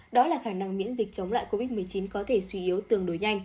đó là khả năng miễn dịch chống lại covid một mươi chín có thể suy yếu tương đối nhanh